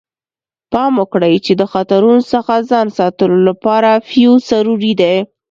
پام وکړئ چې د خطرونو څخه ځان ساتلو لپاره فیوز ضروري دی.